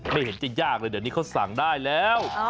ไม่เห็นจะยากเลยเดี๋ยวนี้เขาสั่งได้แล้ว